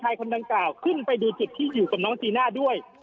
สมัยก็มีคนดังกล้าวลองลงมาเต็มอยู่กับน้องสีนาด้วย